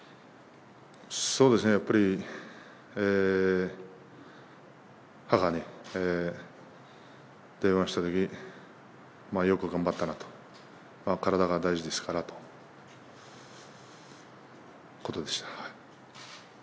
そうですね、やっぱり、母に電話したとき、よく頑張ったなと、体が大事ですからとのことでした。